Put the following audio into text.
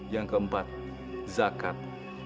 yang keempat zakat